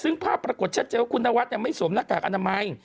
ซึ่งภาพปรากฏชัดเจนว่าคุณนวัดไม่สวมหน้ากากอนามัย